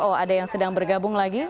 oh ada yang sedang bergabung lagi